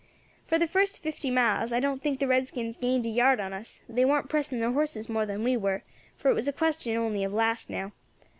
For the first fifty miles I don't think the redskins gained a yard on us; they warn't pressing their horses more than we were, for it was a question only of last now.